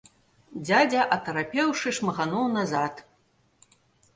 Дзядзя, атарапеўшы, шмыгануў назад.